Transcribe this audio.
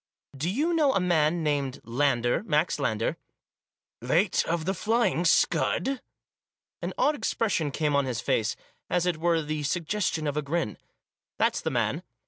"Do you know a man named Lander, Max Lander ?"" Late of The Flying Scud ?" An odd expression came on his face, as it were the suggestion of a grin. " That's the man."